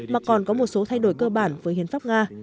mà còn có một số thay đổi cơ bản với hiến pháp nga